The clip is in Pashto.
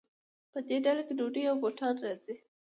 په دې ډله کې ډوډۍ او بوټان راځي.